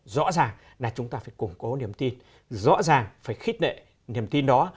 rõ ràng là chúng ta phải củng cố niềm tin rõ ràng phải khít nệ niềm tin đó